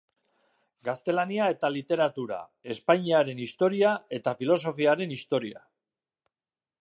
Gaztelania eta Literatura, Espainaren Historia eta Filosofiaren Historia.